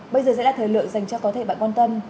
bây giờ sẽ là thời lượng dành cho có thể bạn quan tâm